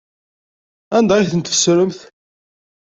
Anda ay ten-tfesremt?